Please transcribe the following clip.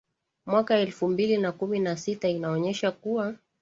mwaka elfu mbili na kumi na sita inaonyesha kuwa